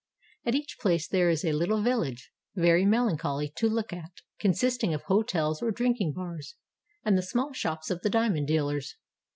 At each place there is a little village, very melancholy to look at, consisting of hotels or drinking bars, and the small shops of the diamond dealers.